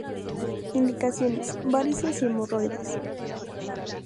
Indicaciones: varices y hemorroides.